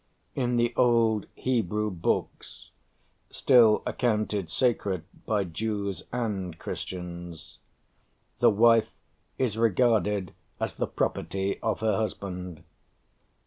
In the old Hebrew books still accounted sacred by Jews and Christians the wife is regarded as the property of her husband.